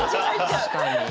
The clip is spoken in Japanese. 確かに。